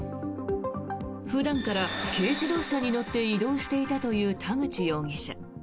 普段から軽自動車に乗って移動していたという田口容疑者。